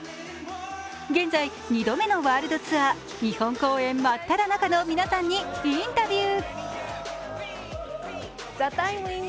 現在、２度目のワールドツアー日本公演真っただ中の皆さんにインタビュー。